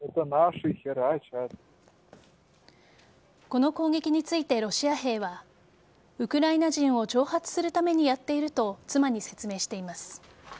この攻撃についてロシア兵はウクライナ人を挑発するためにやっていると妻に説明しています。